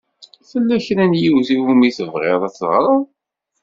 Tella kra n yiwet i wumi tebɣiḍ ad teɣṛeḍ?